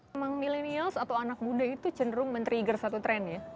memang millenials atau anak muda itu cenderung men trigger satu tren ya